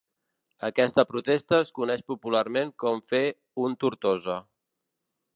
Aquesta protesta es coneix popularment com fer “un Tortosa”.